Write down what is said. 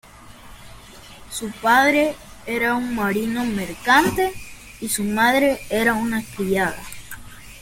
Su padre era un marino mercante y su madre era una criada.